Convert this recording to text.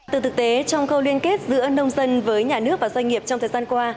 từ thực tế trong khâu liên kết giữa nông dân với nhà nước và doanh nghiệp trong thời gian qua